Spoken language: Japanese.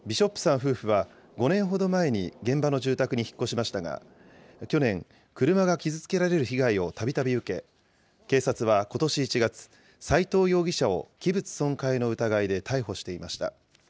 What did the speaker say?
夫婦は５年ほど前に現場の住宅に引っ越しましたが、去年、車が傷つけられる被害をたびたび受け、警察はことし１月、斎藤容疑者を器物損壊の疑いで逮捕していました。